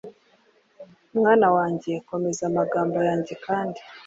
Mwana wanjye komeza amagambo yanjye Kandi